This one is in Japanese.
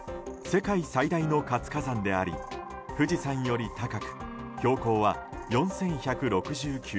世界最大の活火山であり富士山より高く標高は４１６９ｍ。